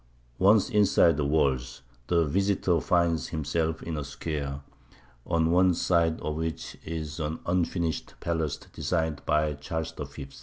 Once inside the walls, the visitor finds himself in a square, on one side of which is an unfinished palace designed by Charles the Fifth.